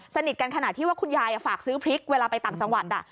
สนิทกันขนาดที่ว่าคุณยายฝากซื้อพริกเวลาไปต่างจังหวัด